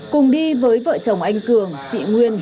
cùng đi với vợ chồng anh cường chị nguyên